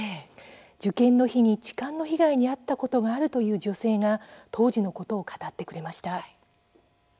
受験の日に痴漢の被害に遭ったことがあるという女性が当時のことを語ってくれました。